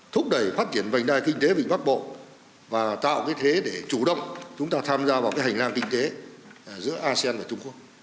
thúc đẩy phát triển vành đai kinh tế vịnh bắc bộ và tạo cái thế để chủ động chúng ta tham gia vào cái hành lang kinh tế giữa asean và trung quốc